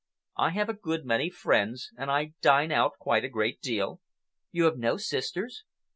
"I have a good many friends, and I dine out quite a great deal." "You have no sisters?"